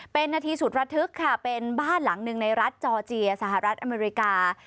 เป็นนาทีสุดระทึกค่ะเป็นบ้านหลังหนึ่งในรัฐจอร์เจียสหรัฐอเมริกา